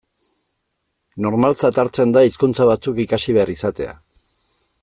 Normaltzat hartzen da hizkuntza batzuk ikasi behar izatea.